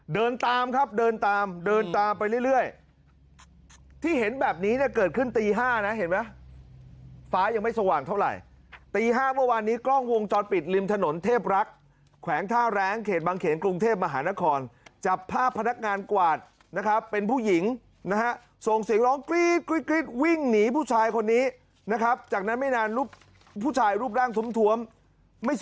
เดินตามครับเดินตามเดินตามไปเรื่อยที่เห็นแบบนี้เนี่ยเกิดขึ้นตี๕นะเห็นไหมฟ้ายังไม่สว่างเท่าไหร่ตี๕เมื่อวานนี้กล้องวงจรปิดริมถนนเทพรักษ์แขวงท่าแรงเขตบางเขนกรุงเทพมหานครจับภาพพนักงานกวาดนะครับเป็นผู้หญิงนะฮะส่งเสียงร้องกรี๊ดกรี๊ดวิ่งหนีผู้ชายคนนี้นะครับจากนั้นไม่นานรูปผู้ชายรูปร่างท้วมไม่ส